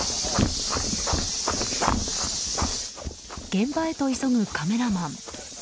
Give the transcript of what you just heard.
現場へと急ぐカメラマン。